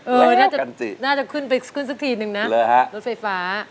น่าจะน่าจะขึ้นไปขึ้นสักทีนึงนะรถไฟฟ้า